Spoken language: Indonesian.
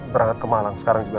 berangkat ke malang sekarang juga